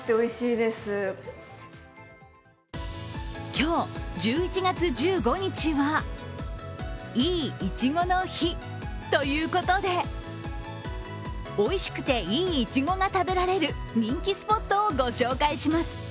今日、１１月１５日はいいいちごの日ということでおいしくて、いいいちごが食べられる人気スポットをご紹介します。